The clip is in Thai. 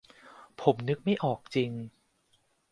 ผมนึกไม่ออกจริง